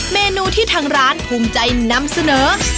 เมนูที่ทางร้านภูมิใจนำเสนอ